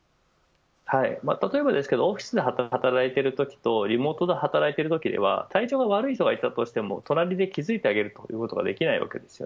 例えばですが、オフィスで働いているときとリモートで働いているときでは体調が悪い人がいたとしても隣で気付いてあげるということができません。